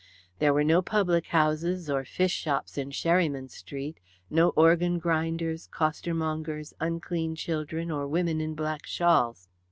There were no public houses or fish shops in Sherryman Street; no organ grinders, costermongers, unclean children, or women in black shawls.